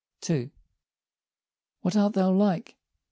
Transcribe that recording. II. What art thou like?